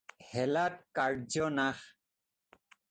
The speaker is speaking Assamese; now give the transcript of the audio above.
হেলাত কাৰ্য্য নাশ।